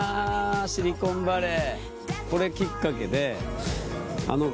シリコンバレー。